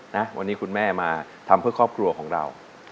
นะวันนี้คุณแม่มาทำเพื่อครอบครัวของเรา